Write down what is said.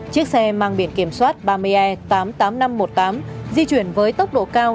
chiếc xe mang biển kiểm soát ba mươi e tám mươi tám nghìn năm trăm một mươi tám di chuyển với tốc độ cao